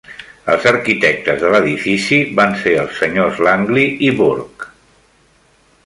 Els arquitectes de l'edifici van ser els senyors Langley i Burke.